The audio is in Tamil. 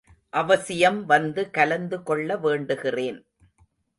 அவசியம் வந்து கலந்து கொள்ள வேண்டுகிறேன்.